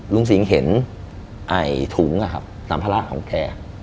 รุมสิงห์เห็นไอถุงอะครับสามพระราชของแก